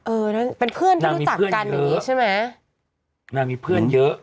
เออเป็นเพื่อนที่รู้จักกันน่ามีเพื่อนเยอะ